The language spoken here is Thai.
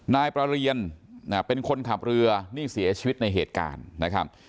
นายประเรียนเป็นคนขับเรือนี่เสียชีวิตในเหตุการณ์นะครับ